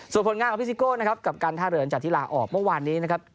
ส่วนผลงานของพี่ซิโก้นะครับกับการท่าเรือนจากที่ลาออกเมื่อวานนี้นะครับ